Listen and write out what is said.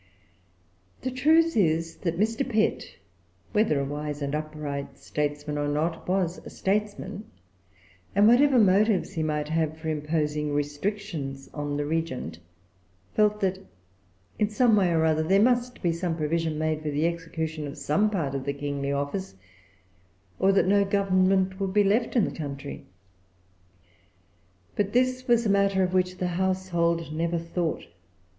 The truth is that Mr. Pitt, whether a wise and upright statesman or not, was a statesman; and whatever motives he might have for imposing restrictions on the regent, felt that in some way or other there must be some provision made for the execution of some part of the kingly office, or that no government would be left in the country. But this was a matter of which the household never thought.